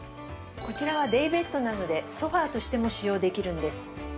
こちらはデイベッドなのでソファとしても使用できるんです。